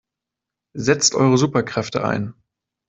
Setzt eure Superkräfte ein!